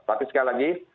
tapi sekali lagi